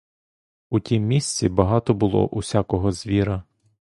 У тім місці багато було усякого звіра.